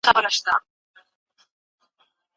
ځایی ستونزي څنګه ملي کېږي؟